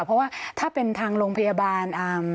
เพราะว่าถ้าเป็นทางโรงพยาบาล